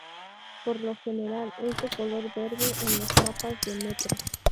Por lo general, es de color verde en los mapas de metro.